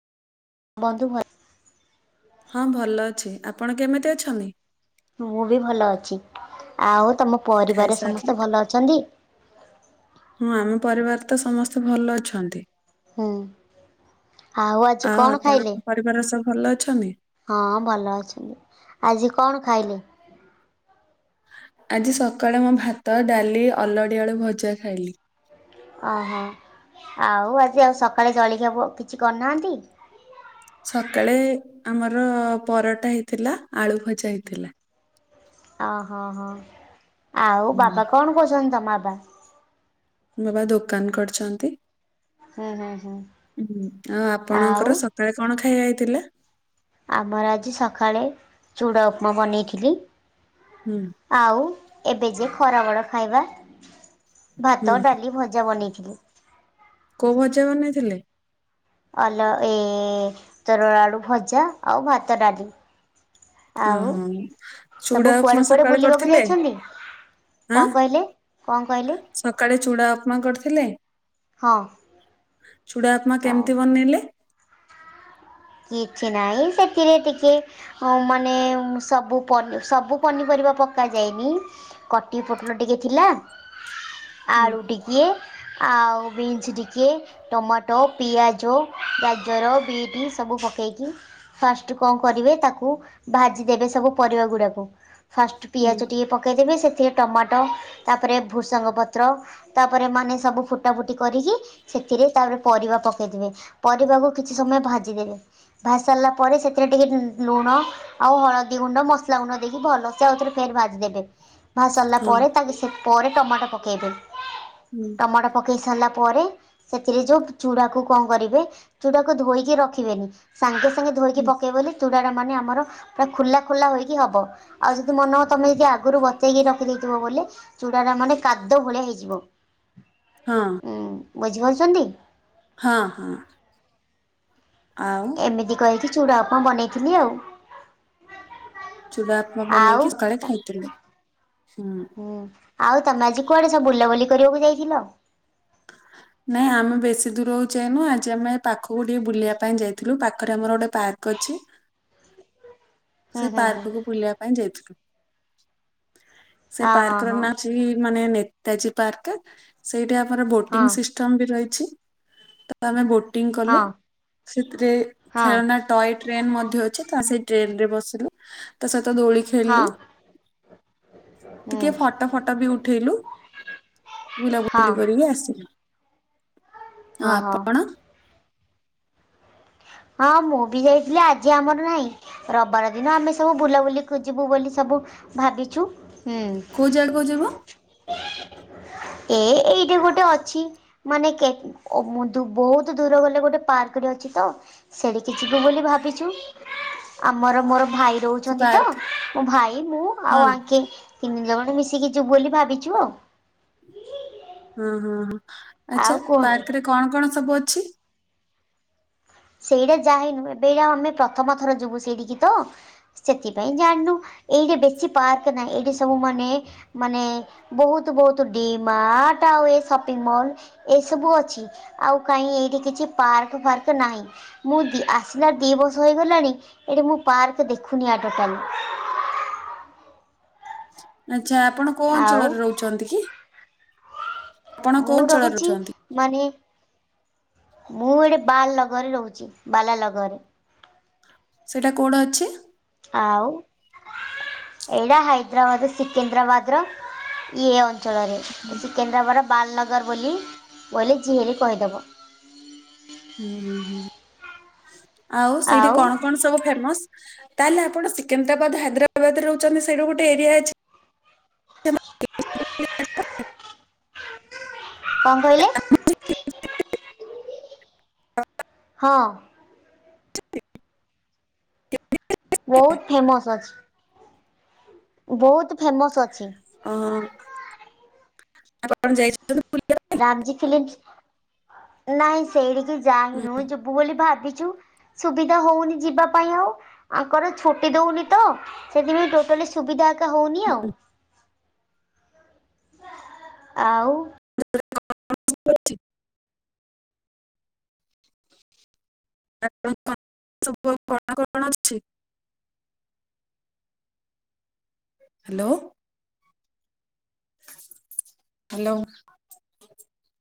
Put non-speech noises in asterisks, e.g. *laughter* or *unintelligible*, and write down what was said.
ବନ୍ଧୁ ଭଲ ହଁ ଭଲ ଅଛି, ଆପଣ କେମିତି ଅଛନ୍ତି? ମୁଁ ବି ଭଲ ଅଛି ଆଉ ତମ ପରିବାରେ ଖାଇସାରିଲେ ସମସ୍ତେ ଭଲ ଅଛନ୍ତି? ହଁ ଆମ ପରିବାର ତ ସମସ୍ତେ ଭଲ ଅଛନ୍ତି। ହୁଁ ଆଜି ଆଉ କଣ ଖାଇଲେ? ଆପଣଙ୍କ ପରିବାର ସବୁ ଭଲ ଅଛନ୍ତି? ହଁ ଭଲ ଅଛନ୍ତି, ଆଜି କଣ ଖାଇଲେ? ଆଜି ସକାଳେ ମୁଁ ଭାତ, ଡାଲି, ଅଲଡିଆଳୁ ଭଜା ଖାଇଲି। ଅହୋ ଆଉ ଆଜି ଆଉ ସକାଳେ ଜଳଖିଆ ବଉ କିଛି କରିନାହାନ୍ତି? ସକାଳେ ଆମର ପରଟା ହେଇଥିଲା ଆଳୁ ଭଜା ହେଇଥିଲା। ଅହ ହଁ ଆଉ ହୁଁ ବାବା କଣ *unintelligible* ତମ୍ ବାବା? ବାବା ଦୋକାନ୍ କରିଛନ୍ତି ହୁଁ ହୁଁ ହୁଁ ହୁଁ ଆଉ ଆଉ ଆପଣଙ୍କର ସ କାଳେ କଣ ଖାଇବା ହେଇଥିଲା? ଆମର ଆଜି ସଖାଳେ ଚୁଡ଼ା ଉପମା ବନେଇଥିଲି। ହୁଁ। ଆଉ ଏବେ ଯେ ଖରା ବେଳ ଖାଇବା ଭାତ ହୁଁ ଡାଲି ଭଜା ବନେଇଥିଲି। କୋଉ ଭଜା ବନେଇଥିଲେ? ଅଲ ଏ *unintelligible* ଆଳୁ ଭଜା ଆଉ ଭାତ ଡାଲି। ଆଉ ଓହୋ ଚୁଡା ସବୁ ଉପମା କୁଆଡେ କୁଆଡେ ସକାଳେ ବୁଲିବାକୁ କରିଥିଲେ ଯାଇଛନ୍ତି? ଆଁ କଁ କହିଲେ କଁ କହିଲେ? ସକାଳେ ଚୁଡ଼ା ଉପମା କରିଥିଲେ? ହଁ ଚୁଡା ଉପମା ଆଉ କେମ୍ତି ବନେଇଲେ? କିଛି ନାଇଁ ସେଥିରେ ଟିକେ ହଁ ମାନେ ସବୁ ସବୁ ପନିପରିବା ପକା ଯାଏନି। କଟି ପୋଟଳ ଟିକେ ଥିଲା ହୁଁ ଆଳୁ ଟିକିଏ ଆଉ ବିନ୍ସ ଟିକେ ଟମାଟ ପିଆଜ ଗାଜର ବିଟି ସବୁ ପକେଇକି ଫାଷ୍ଟ କଁ କରିବେ ତାକୁ ଭାଜି ଦେବେ ସବୁ ପରିବା ଗୁଡ଼ାକୁ। ଫାଷ୍ଟ ହୁଁ ପିଆଜ ଟିକେ ପକେଇ ଦେବେ ସେଥିରେ ଟମାଟ ତାପରେ ଭୃସଙ୍ଗ ପତ୍ର ତାପରେ ମାନେ ସବୁ ଫୁଟା ଫୁଟି କରିକି ସେଥିରେ ତାପରେ ପରିବା ପକେଇ ଦେବେ ପରିବାକୁ କିଛି ସମୟ ଭାଜିଦେବେ। ଭା ସାଇଲା ପରେ ସେଥିରେ ଟିକେ *unintelligible* ଲୁଣ ଆଉ ହଳଦୀ ଗୁଣ୍ଡ ମସ୍ଲା ଗୁଣ୍ଡ ଦେଇକି ଭଲସେ ଆଉ ଥରେ ଫେରେ ଭାଜିଦେବେ। ଭା ସାଲା ପରେ ହୁଁ *unintelligible* ପରେ ଟମାଟ ପକେଇବେ। ହୁଁ। ଟମାଟ ପକେଇ ସାଲା ପରେ ସେଥିରେ ଯୋଉ ଚୁଡାକୁ କଁ କରିବେ ଚୁଡାକୁ ଧୋଇକି ରଖିବେନି। ସାଙ୍ଗେ ସାଙ୍ଗେ ଧୋଇକି ହୁଁ ପକେ *unintelligible* ବୋଲି ଚୁଡା ଟା ମାନେ ଆମର ପୁରା ଖୋଲା ଖୋଲା ହୋଇକି ହବ। ଆଉ ଯଦି ମନ ତମେ ଯଦି ଆଗରୁ *unintelligible* ରଖିଦେଇଥିବ ବୋଲେ ଚୂଡା ଟା ମାନେ କାଦ ଭଳିଆ ହେଇଯିବ। *inaudible* ହଁ। ଉଁ ବୁଝି *unintelligible* ହଁ-ହଁ ଆଉ ଏମିତି କହିକି ଚୁଡ଼ା ଉପ୍ମା ବନେଇଥିଲି ଆଉ। ଚୂଡ଼ା ଉପ୍ମା ଆଉ ବନେଇକି ସକାଳେ ତ ଖାଇଥିଲେ ହୁଁ। ହୁଁ ଆଉ ତମେ ଆଜି କୁଆଡେ ସବୁ ବୁଲାବୁଲି କରିବାକୁ ଯାଇଥିଲ? ହ ନାଇଁ ଆମେ ବେଶୀ ଦୂର *unintelligible* ଯାଇଁନୁ ଆଜି ଆମେ ପାଖକୁ ଟିକେ ବୁଲିଆ ପାଇଁ ଯାଇଥିଲୁ ପାଖରେ ଆମର ଗୋଟେ ପାର୍କ ଅଛି। ହୁଁ ସେ ହୁଁ ହୁଁ ପାର୍କକୁୁ ବୁଲିଆ ପାଇଁ ଯାଇଥିଲୁ। ସେ ହଁ ପାର୍କ ର ହଁ ନା *unintelligible* ମାନେ ନେତାଜୀ ପାର୍କ ସେଇଠି ଆମର ବୋଟିଂ ହଁ ସିସ୍ ଟମ୍ ବି ରହିଛି ତ ଆମେ ବୋଟିଂ ହଁ କଲୁ ସେଥିରେ ହଁ ଖେଳନା ଟଏ ଟ୍ରେନ୍ ମଧ୍ୟ ଅଛି ତା ସେଇ ଟ୍ରେନ୍ ରେ ବସିଲୁ ତା ସହିତ ଦୋଳି ହଁ *unintelligible* ହଁ ଟିକେ ଫଟ ଫଟ ବି ଉଠେଇଲୁ। ହୁଁ ବୁଲାବୁଲି ହଁ କରିକି ଆସିଲି ଆଉ ହଁ ହଁ। ଆପଣ? ହଁ ମୁଁ ବି ଯାଇଥିଲି ଆଜି ଆମର ନାହିଁ ରବିବାର ଦିନ ଆମେ ସବୁ ବୁଲାବୁଲିକୁ ଯିବୁ ବୋଲି ସବୁ ଭାବିଛୁ। କୋଉ ଜାଗାକୁ ଯିବ ହୁଁ ଏ ଏଇଠେ ଗୋଟେ ଅଛି। ମାନେ କେ ଉଁ ଓ ମୁଁ ଧୁ ବୋହୁତୁ ଦୂର ଗଲେ ଗୋଟେ ପାର୍କଟେ ଅଛି ତ ସେଡିକି ଯିବୁ ବୋଲି ଭାବିଛୁ ଆମର ମୋର ଭାଇ ସେ ଦଉଛନ୍ତି ତ ପାର୍କ ମୋ ଭାଇ ମୁଁ ହଁ ଆଉ ଆଙ୍କେ ତିନି ଜଣ ମିଶିକି ଯିବୁ ବୋଲି ଭାବିଛୁ ଆଉ। ହଁ ହଁ ହଁ ଆଚ୍ଛା ଆଉ କୁହନ୍ତୁ ପାର୍କରେ କଣ କଣ ସବୁ ଅଛି? ସେଇଟା ଯାହିନୁ ଏବେ ଏଇଟା ଆମେ ପ୍ରଥମ ଥର ଯିବୁ ସେଇଠିକି ତ ସେଥିପାଇଁ ଜାଣିନୁ ଏଇଠେ ବେଶୀ ପାର୍କ ନାହିଁ ଏଇଠେ ସବୁ ମାନେ ମାନେ ବୋହୁତୁ ବୋହୁତୁ ଡିମାର୍ଟ ଆଉ ଏ ସପିଙ୍ଗ୍ ମଅଲ୍ ଏସବୁ ଅଛି। ଆଉ କାଇଁ ଏଇଠେ କିଛି ପାର୍କ ଫାର୍କ ନାହିଁ। ମୁଁ ଦି ଆସିଲାର ଦି ବର୍ଷ ହେଇଗଲାଣି ଏଠି ମୁଁ ପାର୍କ ଦେଖୁନି ଆ ଟୋଟାଲି। ଆଚ୍ଛା ଆପଣ କୋଉ ଆଉ ଅଞ୍ଚଳରେ ରହୁଛନ୍ତି କି? ଆପଣ ମୁଁ କୋଉ ଅଞ୍ଚଳରେ ରହୁଛି ରହୁଛନ୍ତି? ମାନେ ମୁଁ ଏଇଠେ ବାଲନଗରରେ ରହୁଛି ବାଲାଲଗରରେ। ସେଇଟା କୋଉଡେ ଅଛି? ଆଉ ଏଇଡା ହାଇଦ୍ରାବାଦ ସିକିନ୍ଦ୍ରାବାଦ୍ରର ଇଏ ଅ ଞ୍ଚଳରେ ଏ ସିକିନ୍ଦ୍ରାବାଦ ବାଲନଗର ବୋଲି ବୋଇଲେ ଯିଏଲି କହିଦବ। ଉଁ ହୁଁ ହୁଁ ଆଉ ସେଇଠେ କଣ କଣ ସବୁ ଫେମସ୍? ତାହେଲେ ଆପଣ ସିକନ୍ଦ୍ରାବାଦ ହାଇଦ୍ରାବାଦରେ ରହୁଛନ୍ତି ସେଇଠୁ ଗୋଟେ ଏରିଆ ଅଛି। କଁ କହିଲେ? ହଁ। ବୋହୁତ ଫେମସ୍ ଅଛି। ବୋହୁତ ଫେମସ୍ ଅଛି। ଅଁ ହଁ ଆପଣ ଯାଇଛନ୍ତି ବୁଲି? ରାମଜୀ ଫିଲିମ୍ସ ଉଁ ନାଇଁ ସେଇଡିକି ହୁଁ ଯାହିନୁ ଯିବୁ ବୋଲି ଭାବିଛୁ। ସୁବିଧା ହଉନି ଯିବା ପାଇଁ ଆଉ ଆଙ୍କର ଛୁଟି ଦଉନି ତ ସେଥିପାଇଁ ଟୋଟାଲି ସୁବିଧା ଏକା ହଉନି ଆଉ ହୁଁ ଆଉ *inaudible* *inaudible* କଣ କଣ ଅଛି? ହାଲୋ। ହାଲୋ।